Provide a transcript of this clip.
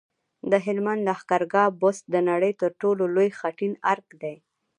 د هلمند لښکرګاه بست د نړۍ تر ټولو لوی خټین ارک دی